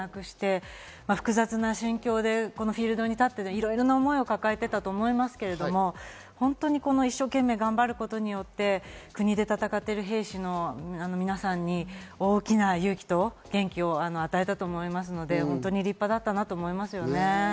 選手たちも本当に自分の仲間たち、選手をこういった侵攻で亡くして、複雑な心境でフィールドに立って、いろいろな思いを抱えていたと思いますけど、一生懸命頑張ることによって、国で戦ってる兵士の皆さんに大きな勇気と元気を与えたと思いますので、本当に立派だったなと思います。